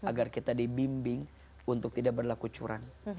agar kita dibimbing untuk tidak berlaku curang